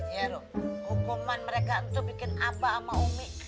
iya lo hukuman mereka itu bikin aba sama umi